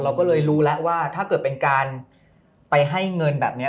เราก็เลยรู้แล้วว่าถ้าเกิดเป็นการไปให้เงินแบบนี้